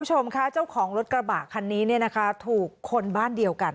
คุณผู้ชมค่ะเจ้าของรถกระบะคันนี้เนี่ยนะคะถูกคนบ้านเดียวกัน